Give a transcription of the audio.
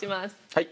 はい。